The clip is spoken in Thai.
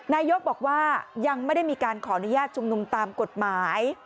นายกบอกว่ายังไม่ได้มีการขออนุญาตชุมนุมตามกฎหมาย